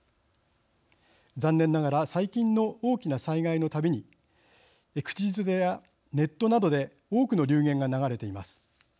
残念ながら最近の大きな災害のたびに口づてやネットなどで多くの流言が流れています。